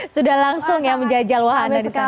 sudah langsung ya menjajal wahanda di sana